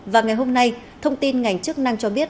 và ngày hôm nay thông tin ngành chức năng cho biết